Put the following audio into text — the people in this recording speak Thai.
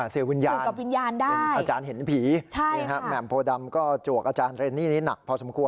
เสียวิญญาณได้อาจารย์เห็นผีแหม่มโพดำก็จวกอาจารย์เรนนี่นี่หนักพอสมควร